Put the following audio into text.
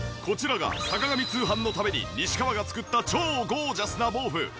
こちらが『坂上通販』のために西川が作った超ゴージャスな毛布。